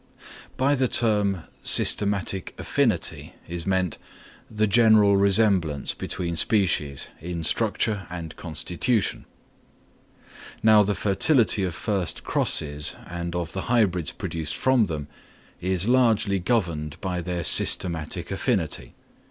By the term systematic affinity is meant, the general resemblance between species in structure and constitution. Now the fertility of first crosses, and of the hybrids produced from them, is largely governed by their systematic affinity.